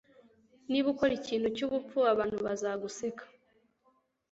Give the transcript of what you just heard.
Niba ukora ikintu cyubupfu, abantu bazaguseka.